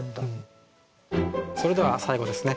それでは最後ですね